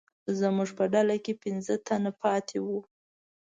زموږ په ډله کې پنځه تنه پاتې وو.